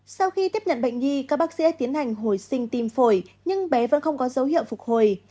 sau khi tiếp nhận bệnh nhi các bác sĩ tiến hành hồi sinh tim phổi nhưng bé vẫn không có dấu hiệu phục hồi